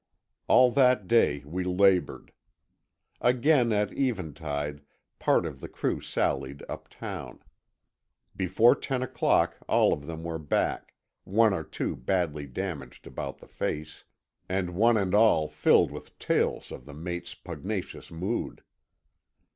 All that day we labored. Again at eventide part of the crew sallied uptown. Before ten o'clock all of them were back, one or two badly damaged about the face, and one and all filled with tales of the mate's pugnacious mood.